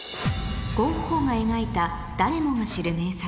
ゴッホが描いた誰もが知る名作